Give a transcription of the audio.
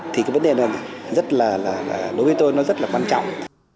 thì cái vấn đề này rất là đối với tôi nó rất là quan trọng